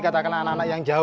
katakanlah anak anak yang jauh